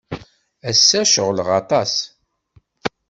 Ass-a, ceɣleɣ aṭas.